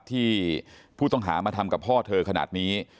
ที่ผู้ต้องหามาทำกับพ่อเธอขนาดนี้